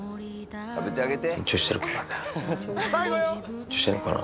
緊張してるかな。